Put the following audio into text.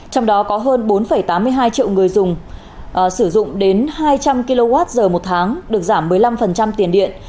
trong đó có hơn bốn tám mươi hai triệu người dùng sử dụng đến hai trăm linh kwh một tháng được giảm một mươi năm tiền điện